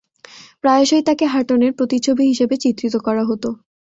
প্রায়শঃই তাকে হাটনের প্রতিচ্ছবি হিসেবে চিত্রিত করা হতো।